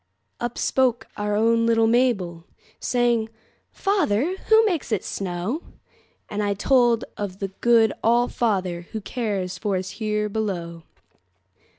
Up spoke our own little Mabel, Saying, "Father, who makes it snow?"And I told of the good All fatherWho cares for us here below.